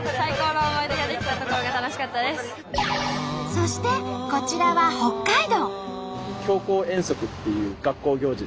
そしてこちらは北海道。